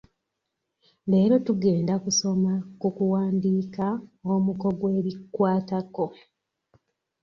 Leero tugenda kusoma ku kuwandiika omuko gw'ebikkwatako.